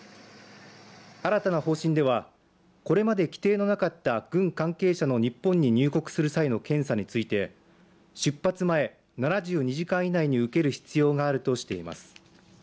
新たな方針ではこれまで規定のなかった軍関係者の日本に入国する際の検査について出発前、７２時間以内に受ける必要があるとしています。